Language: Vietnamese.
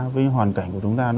với hoàn cảnh của chúng ta